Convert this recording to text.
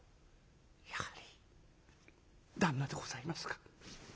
「やはり旦那でございますか。